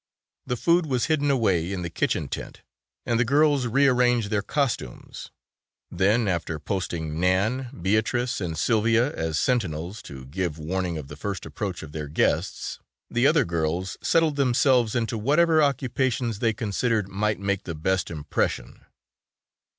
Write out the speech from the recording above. The food was hidden away in the kitchen tent and the girls rearranged their costumes, then after posting Nan, Beatrice and Sylvia as sentinels to give warning of the first approach of their guests, the other girls settled themselves to whatever occupations they considered might make the best impression.